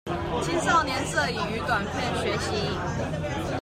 青少年的攝影與短片學習營